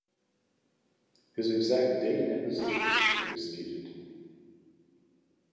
His exact date and position are disputed.